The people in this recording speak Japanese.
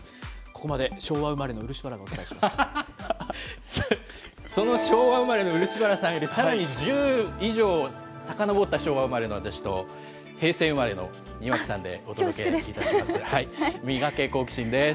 ここまで昭和生まれの漆原がお伝その昭和生まれの漆原さんよりさらに１０以上さかのぼった昭和生まれの私と、平成生まれの庭恐縮です。